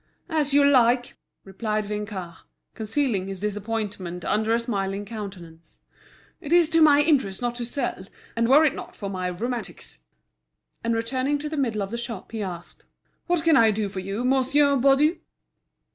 "As you like," replied Vinçard, concealing his disappointment under a smiling countenance. "It's to my interest not to sell; and were it not for my rheumatics—" And returning to the middle of the shop, he asked: "What can I do for you, Monsieur Baudu?"